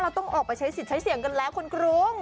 ต้องออกไปใช้สิทธิ์ใช้เสียงกันแล้วคนกรุง